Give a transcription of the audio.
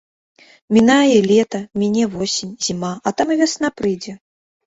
Мінае лета, міне восень, зіма, а там і вясна прыйдзе.